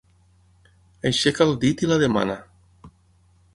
Aixeca el dit i la demana.